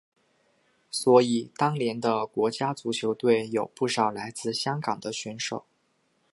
所以当年的国家足球队有不少来自香港的选手。